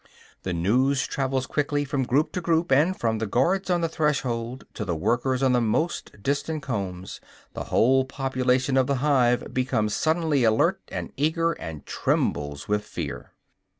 The news travels quickly from group to group; and from the guards on the threshold to the workers on the most distant combs, the whole population of the hive becomes suddenly alert and eager, and trembles with fear.